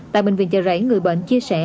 tại bệnh viện chợ rẫy người bệnh chia sẻ